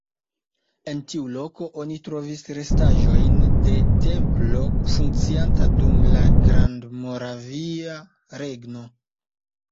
En tiu loko oni trovis restaĵojn de templo funkcianta dum la Grandmoravia Regno.